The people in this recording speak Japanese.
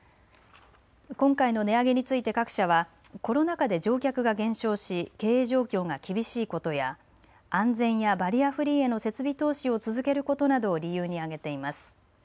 今回の値上げについて各社はコロナ禍で乗客が減少し経営状況が厳しいことや安全やバリアフリーへの設備投資を続けることなどを理由に挙げています。